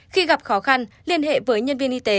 khi gặp khó khăn liên hệ với nhân viên y tế